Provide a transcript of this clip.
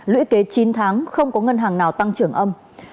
lũy kế chín tháng không có ngân hàng nào tăng trưởng âm